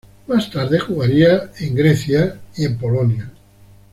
Más tarde, jugaría en Grecia, Polonia.